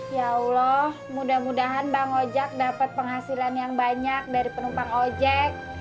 ya allah mudah mudahan bang ojek dapat penghasilan yang banyak dari penumpang ojek